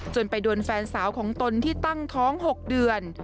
ไปโดนแฟนสาวของตนที่ตั้งท้อง๖เดือน